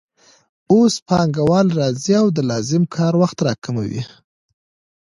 اوس پانګوال راځي او د لازم کار وخت راکموي